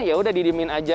ya udah didimin aja